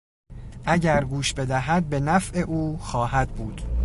اگر گوش بدهد به نفع او خواهد بود.